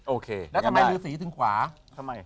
โอเคแล้วทำไมฤษีถึงขวาทำไม